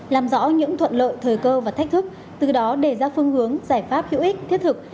làm rõ những thuận lợi thời cơ và thách thức từ đó đề ra phương hướng giải pháp hữu ích thiết thực